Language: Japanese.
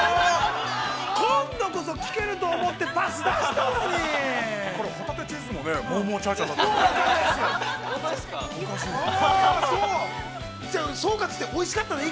◆今度こそ聞けると思って、パス出したのに。